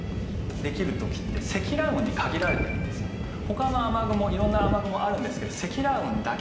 他の雨雲色んな雨雲あるんですけど積乱雲だけ。